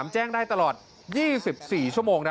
แจ้งได้ตลอด๒๔ชั่วโมง